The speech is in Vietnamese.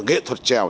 nghệ thuật trèo